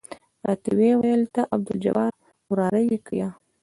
راته ويې ويل ته د عبدالجبار وراره يې که يه.